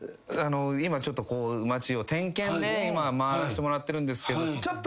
今ちょっと町を点検で回らせてもらってるんですけどちょっとだけいいですか？